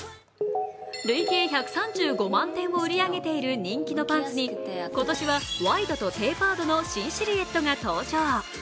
累計１３５万点を売り上げている人気のパンツに今年はワイドとテーパードの新シルエットが登場。